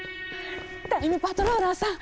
タイムパトローラーさん